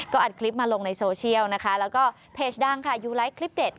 อัดคลิปมาลงในโซเชียลนะคะแล้วก็เพจดังค่ะยูไลท์คลิปเด็ด